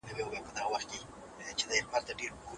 د سفر په بهير کي يوه ملګري راته وويل.